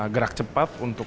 gerak cepat untuk